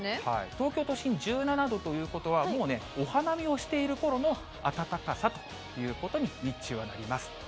東京都心１７度ということは、もうね、お花見をしているころの暖かさということに、日中はなります。